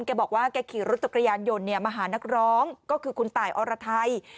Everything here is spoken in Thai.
แกบอกว่าแกขี่รถจักรยานยนต์มาหานักร้องก็คือคุณตายอรไทย